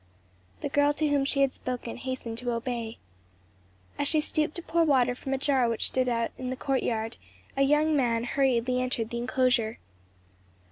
The girl to whom she had spoken hastened to obey. As she stooped to pour water from a jar which stood without in the courtyard, a young man hurriedly entered the enclosure.